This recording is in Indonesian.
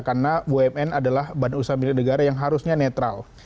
karena bumn adalah bantuan usaha militer negara yang harusnya netral